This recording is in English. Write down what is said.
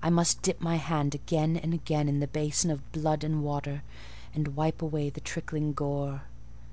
I must dip my hand again and again in the basin of blood and water, and wipe away the trickling gore.